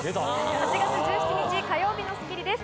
８月１７日火曜日の『スッキリ』です。